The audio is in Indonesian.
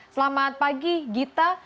selamat pagi gita